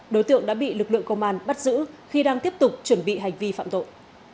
đối tượng đã bị lực lượng công an bắt giữ khi đang tiếp tục chuẩn bị hành vi phạm tội